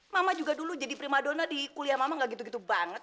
mama juga dulu jadi prima dona di kuliah mama gak gitu gitu banget